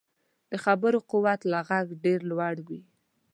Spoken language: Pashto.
د خبرو قوت له غږ ډېر لوړ وي